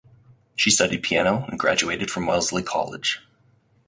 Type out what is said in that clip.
She studied piano and graduated from Wellesley College.